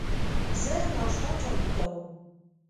زه ناشته چمتو کوم